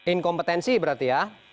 inkompetensi berarti ya